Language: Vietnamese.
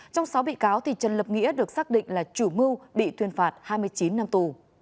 trong sáu bị cáo trần lập nghĩa được xác định là chủ mưu bị tuyên phạt hai mươi chín năm tù